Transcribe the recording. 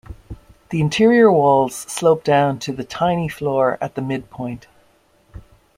The interior walls slope down to the tiny floor at the midpoint.